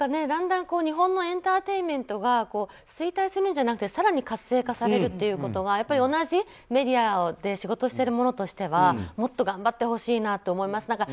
だんだん日本のエンターテインメントが衰退するんじゃなくて更に活性化されるということは同じメディアで仕事をしている者としてはもっと頑張ってほしいなと思います。